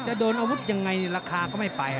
จะโดนอาวุธยังไงราคาก็ไม่ไป